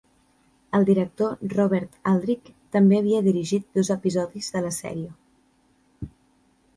El director Robert Aldrich també havia dirigit dos episodis de la sèrie.